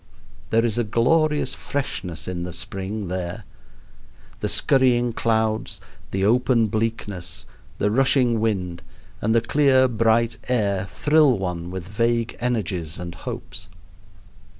There is a glorious freshness in the spring there. The scurrying clouds, the open bleakness, the rushing wind, and the clear bright air thrill one with vague energies and hopes.